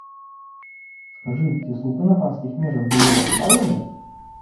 Скажы, ці слупы на панскіх межах былі расстаўлены?